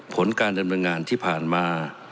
ผลการดำเนินงานที่ผ่านมา